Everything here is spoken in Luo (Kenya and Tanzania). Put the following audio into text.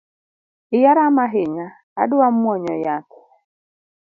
Iya rama ahinya adwa mwonyo yath